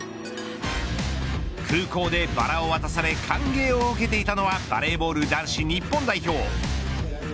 空港でバラを渡され歓迎を受けていたのはバレーボール男子日本代表。